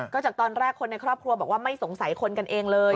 ก็จากตอนแรกคนในครอบครัวบอกว่าไม่สงสัยคนกันเองเลย